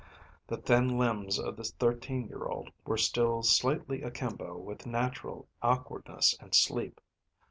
The thin limbs of the thirteen year old were still slightly akimbo with natural awkwardness and sleep.